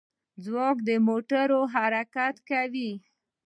ځواک موټور حرکت کوي.